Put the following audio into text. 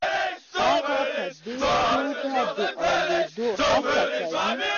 هغه په دې توګه د اورېدو هڅه کوي.